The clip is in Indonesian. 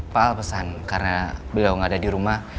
pak al pesan karena beliau gak ada dirumah